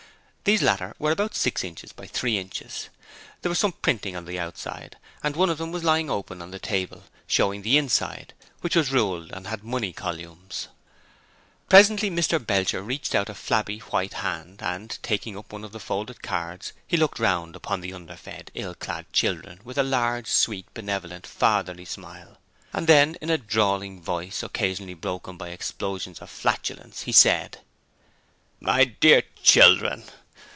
These latter were about six inches by three inches; there was some printing on the outside: one of them was lying open on the table, showing the inside, which was ruled and had money columns. Presently Mr Belcher reached out a flabby white hand and, taking up one of the folded cards, he looked around upon the under fed, ill clad children with a large, sweet, benevolent, fatherly smile, and then in a drawling voice occasionally broken by explosions of flatulence, he said: 'My dear children.